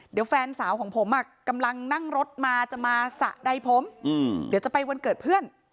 เดี๋ยวแฟนสาวของผมกำลังนั่งรถมาจะมาสระใดผมเดี๋ยวจะไปวันเกิดเพื่อน